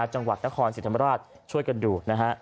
จังหวัดนครสิทธิ์ธรรมราชช่วยกันดู